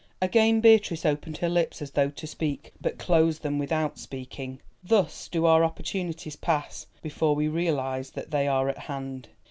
Again Beatrice opened her lips as though to speak, but closed them without speaking. Thus do our opportunities pass before we realise that they are at hand.